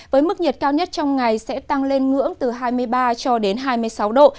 với mức nhiệt cao nhất trong ngày sẽ tăng lên ngưỡng từ hai mươi ba cho đến hai mươi sáu độ